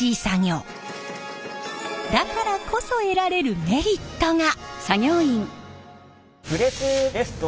だからこそ得られるメリットが！